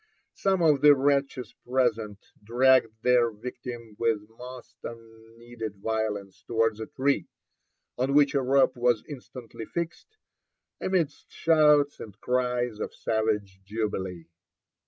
Some of the wretches present dragged their victim with most unneedful violence towards a tree, on which a rope was instantly fixed, amidst shouts and cries of savage jubilee.